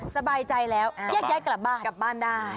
สบายใจแล้วแยกย้ายกลับบ้านกลับบ้านได้